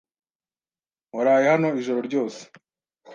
Waraye hano ijoro ryose?